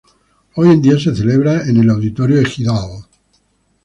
Hoy en día se celebra en el Auditorio Ejidal.